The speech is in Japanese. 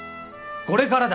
これからだ！